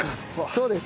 そうです。